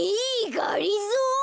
がりぞー！？